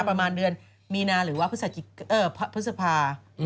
ประมาณเดือนมีนาหรือว่าพฤษภา